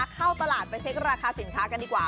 เข้าตลาดไปเช็คราคาสินค้ากันดีกว่า